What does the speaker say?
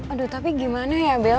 aduh tapi gimana ya bel